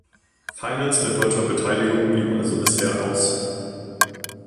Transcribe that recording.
Finals mit deutscher Beteiligung blieben also bisher aus.